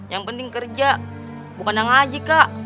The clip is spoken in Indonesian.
yang penting kerja bukan yang ngaji kak